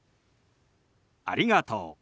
「ありがとう」。